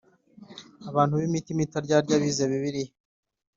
Abantu b’ imitima itaryarya bize Bibiliya.